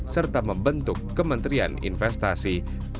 serta membentuk kementerian investasi